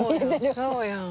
そうやん。